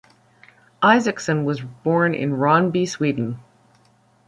Isacsson was born in Ronneby, Sweden.